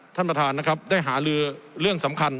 ท่านประธานนะครับได้หาลือเรื่องสำคัญ